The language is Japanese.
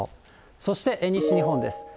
そして西日本です。